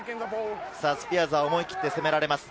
スピアーズは思い切って攻められます。